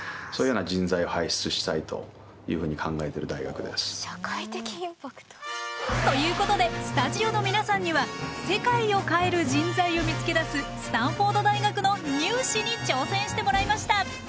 やっぱりそしてまた社会的インパクト？ということでスタジオの皆さんには世界を変える人材を見つけ出すスタンフォード大学のニュー試に挑戦してもらいました！